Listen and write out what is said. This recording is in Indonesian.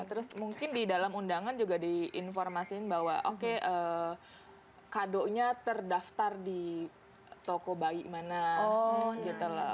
terus mungkin di dalam undangan juga diinformasikan bahwa oke kadonya terdaftar di toko bayi mana gitu loh